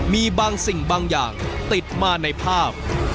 มีบางสิ่งบางอย่างติดมาในภาพ